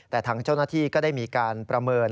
แต่ทางเจ้าหน้าที่ก็ได้มีการประเมิน